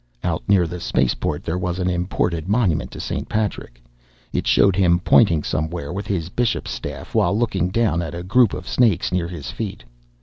Out near the spaceport there was an imported monument to St. Patrick. It showed him pointing somewhere with his bishop's staff, while looking down at a group of snakes near his feet.